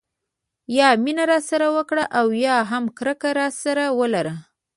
یا مینه راسره وکړه او یا هم کرکه راسره ولره.